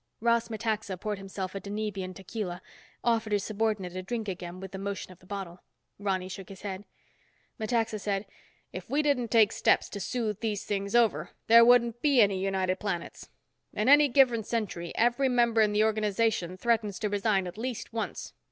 Ross Metaxa poured himself a Denebian tequila, offered his subordinate a drink again with a motion of the bottle. Ronny shook his head. Metaxa said, "If we didn't take steps to soothe these things over, there wouldn't be any United Planets. In any given century every member in the organization threatens to resign at least once.